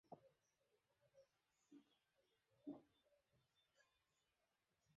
অনুষ্ঠানের fund raising পর্বে অনেকেই ট্রাস্টের গৃহনির্মাণ প্রকল্পে অর্থ সহযোগিতার কথা ঘোষণা করেন।